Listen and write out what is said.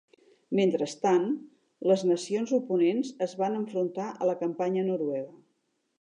Mentrestant, las nacions oponents es van enfrontar a la campanya noruega.